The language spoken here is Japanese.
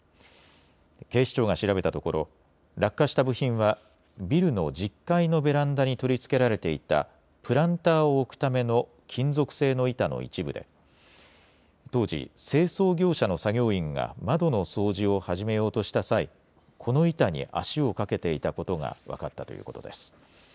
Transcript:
警視庁が調べたところ、落下した部品は、ビルの１０階のベランダに取り付けられていたプランターを置くための金属製の板の一部で、当時、清掃業者の作業員が窓の掃除を始めようとした際、この板に足をかけていたことが分かったということです。